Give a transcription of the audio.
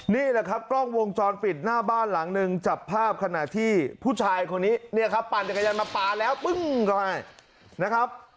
นี่แหละครับกล้องวงจรปิดหน้าบ้านหลังหนึ่งจับภาพขณะที่ผู้ชายคนนี้เนี่ยครับปั่นจักรยานมาปลาแล้วปึ้งก็ให้นะครับ